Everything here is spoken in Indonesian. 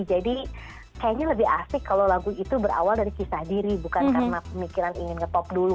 jadi kayaknya lebih asik kalo lagu itu berawal dari kisah diri bukan karena pemikiran ingin ngetop dulu